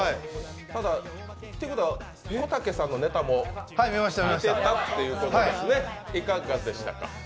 ただ、ということは、こたけさんのネタも見てたということですね、いかがでしたか？